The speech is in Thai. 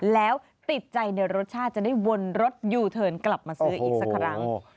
แล้วติดใจในรสชาติจะได้วนรถยูเทิร์นกลับมาซื้ออีกสักครั้ง